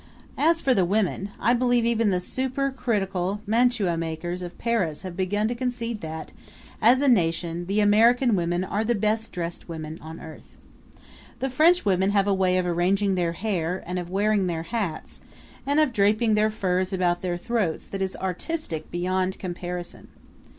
As for the women, I believe even the super critical mantuamakers of Paris have begun to concede that, as a nation, the American women are the best dressed women on earth. The French women have a way of arranging their hair and of wearing their hats and of draping their furs about their throats that is artistic beyond comparison.